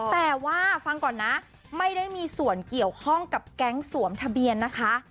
แต่ว่าฟังก่อนนะไม่ได้มีส่วนเกี่ยวข้องกับแก๊งสวมทะเบียนนะคะ